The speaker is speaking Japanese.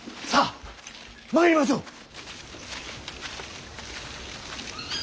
さあ参りましょう！